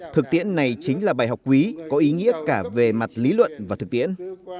thực tiễn này chính là bài học quý có ý nghĩa cả về mặt lý luận và thực tiễn